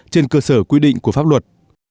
trên cơ sở quy định của pháp luật